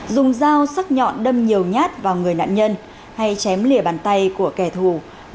dùng dao sắc nhọn đâm nhiều nhát vào người nạn nhân hay chém lìa bàn tay của kẻ thù